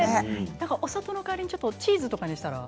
何かお砂糖の代わりにチーズとかにしたら。